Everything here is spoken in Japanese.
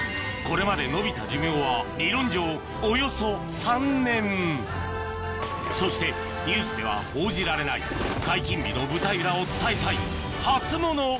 理論上およそ３年そしてニュースでは報じられない解禁日の舞台裏を伝えたい